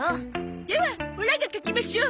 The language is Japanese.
ではオラが書きましょう！